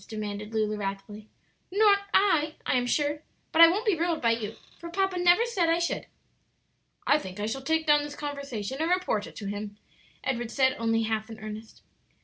demanded Lulu, wrathfully. "Not I, I am sure. But I won't be ruled by you, for papa never said I should." "I think I shall take down this conversation and report it to him," Edward said, only half in earnest.